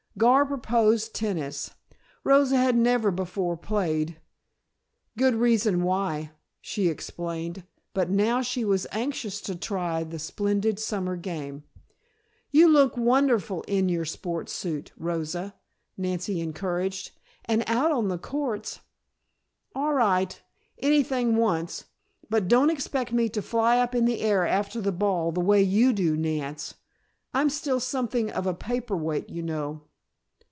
Gar proposed tennis. Rosa had never before played "good reason why," she explained, but now she was anxious to try the splendid summer game. "You look wonderful in your sport suit, Rosa," Nancy encouraged, "and out on the courts " "All right. Anything once, but don't expect me to fly up in the air after the ball, the way you do, Nance. I'm still something of a paper weight, you know."